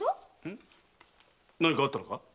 何かあったのか？